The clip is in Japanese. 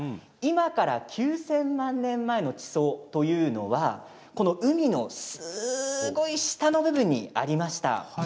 今から９０００万年前の地層というのはこの海のすごい下の部分にありました。